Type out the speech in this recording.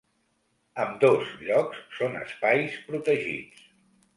Ambdós llocs són espais protegits.